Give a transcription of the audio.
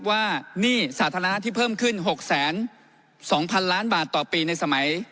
ว่านี่สาธารณะที่เพิ่มขึ้นหกแสนสองพันล้านบาทต่อปีในสมัย